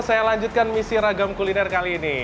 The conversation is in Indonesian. saya lanjutkan misi ragam kuliner kali ini